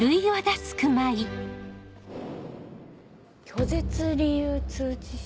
「拒絶理由通知書」？